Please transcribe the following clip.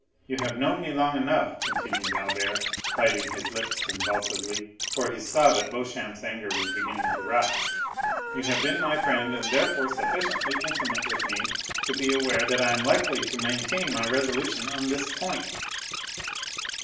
You have known me long enough," continued Albert, biting his lips convulsively, for he saw that Beauchamp's anger was beginning to rise,—"you have been my friend, and therefore sufficiently intimate with me to be aware that I am likely to maintain my resolution on this point."